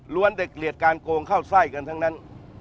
เด็กเหลียดการโกงเข้าไส้กันทั้งนั้น